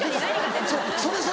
そうそれそれ！